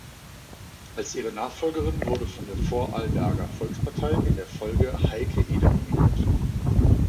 Als ihre Nachfolgerin wurde von der Vorarlberger Volkspartei in der Folge Heike Eder nominiert.